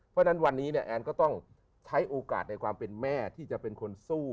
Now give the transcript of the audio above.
เพราะฉะนั้นวันนี้เนี่ยแอนก็ต้องใช้โอกาสในความเป็นแม่ที่จะเป็นคนสู้